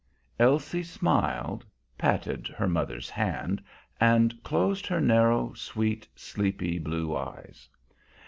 Elsie smiled, patted her mother's hand, and closed her narrow, sweet, sleepy blue eyes.